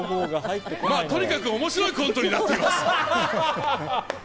とにかく面白いコントになっています。